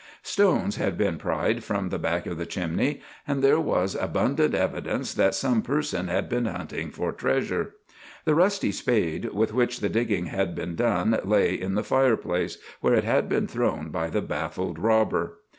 Stones had been pried from the back of the chimney, and there was abundant evidence that some person had been hunting for treasure. The rusty spade with which the digging had been done lay in the fireplace, where it had been thrown by the baffled robber.